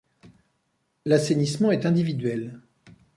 L'assainissement est individuel.